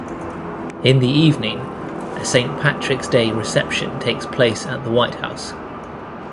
In the evening, a Saint Patrick's Day Reception takes place at the White House.